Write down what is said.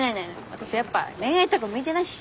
私やっぱ恋愛とか向いてないし。